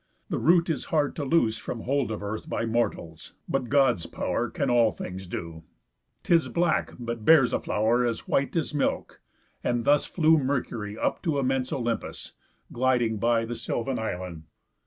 The root is hard to loose From hold of earth by mortals; but God's pow'r Can all things do. 'Tis black, but bears a flow'r As white as milk. And thus flew Mercury Up to immense Olympus, gliding by The sylvan island.